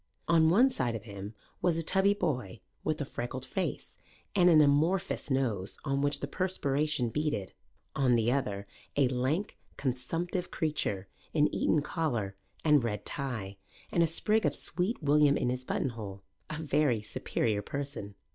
On one side of him was a tubby boy with a freckled face and an amorphous nose on which the perspiration beaded; on the other a lank, consumptive creature, in Eton collar and red tie and a sprig of sweet William in his buttonhole, a very superior person.